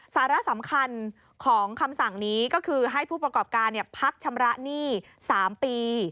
สาระสำคัญของคำสั่งนี้ก็คือให้ผู้ประกอบการพักชำระหนี้๓ปี